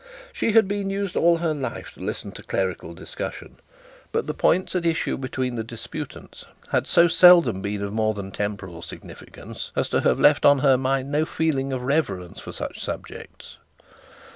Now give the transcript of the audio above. She had been used all her life to listen to clerical discussion; but the points at issue between the disputants had so seldom been of more than temporal significance as to have left on her mind no feeling of reverence for such subjects.